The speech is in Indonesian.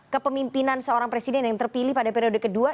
kepemimpinan seorang presiden yang terpilih pada periode kedua